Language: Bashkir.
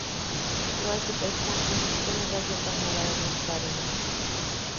Шулай тип әйтһәң, һине стена газетаһына ла яҙмаҫтар ине...